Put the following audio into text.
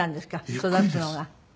育つのが。